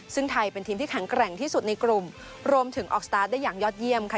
ซึ่งไทยเป็นทีมที่แข็งแกร่งที่สุดในกลุ่มรวมถึงออกสตาร์ทได้อย่างยอดเยี่ยมค่ะ